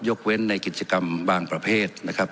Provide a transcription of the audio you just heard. เว้นในกิจกรรมบางประเภทนะครับ